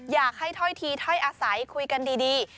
อยากให้ถ้อยทีถ้อยอาศัยคุยกันดี